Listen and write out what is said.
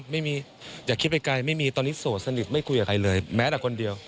อย่าคิดไปไกลไม่มีตอนนี้โสดสนิทไม่คุยกับใครเลยแม้แต่คนเดียว